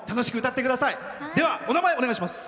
お名前お願いします。